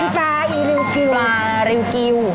เป็นปลาริวกิล